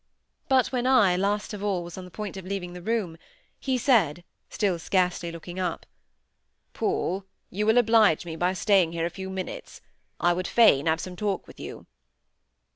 But when I, last of all, was on the point of leaving the room, he said, still scarcely looking up,— "Paul, you will oblige me by staying here a few minutes. I would fain have some talk with you."